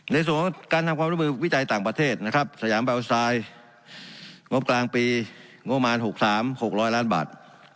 ในส่วนของการทำความร่วมบิวเวียบวิจัยต่างประเทศสยามแบลบ์ออสไตล์งบกลางปี๖๓๖๐๐ล้านบาท